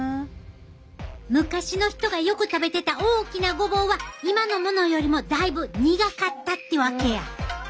昔の人がよく食べてた大きなごぼうは今のものよりもだいぶ苦かったってわけや。